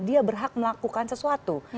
dia berhak melakukan sesuatu